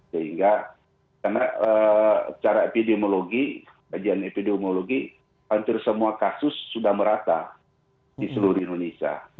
sehingga karena secara epidemiologi kajian epidemiologi hampir semua kasus sudah merata di seluruh indonesia